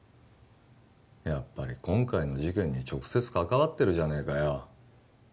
やっぱり今回の事件に直接関わってるじゃねえかよ